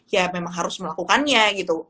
ya memang harus melakukannya gitu